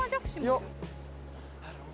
よっ。